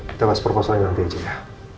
kita bahas proposalnya nanti aja ya